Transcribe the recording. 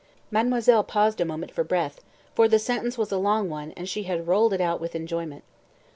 Mademoiselle paused a moment for breath, for the sentence was a long one, and she had rolled it out with enjoyment.